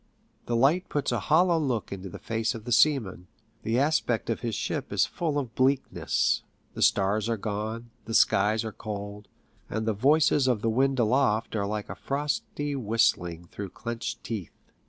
The light puts a hollow look into the face of the seaman. The aspect of his ship is full of bleakness; the stars are gone, the skies are cold, and the voices of the wind aloft are like 74 FICTUBES AT SEA. a frosty whistling through clenched teeth.